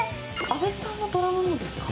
阿部さんもドラムなんですか？